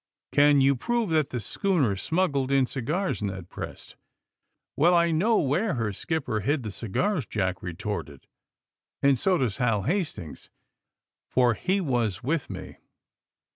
"Can you prove that the schooner smuggled in cigars!" Ned pressed. "Well, I know where her skipper hid the ci gars," Jack retorted, "and so does Hal Hast ings, for he was with me.